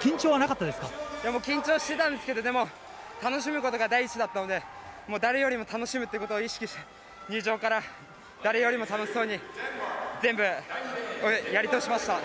いや、もう緊張してたんですけど、でも楽しむことが第一だったので、もう誰よりも楽しむってことを意識して、入場から誰よりも楽しそうに、全部やり通しました。